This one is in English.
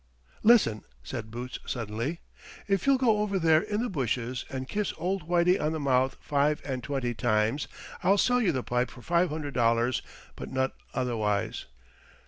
"Listen!" said Boots suddenly. "If you'll go over there in the bushes and kiss old Whitey on the mouth five and twenty times, I'll sell you the pipe for five hundred dollars, but not otherwise."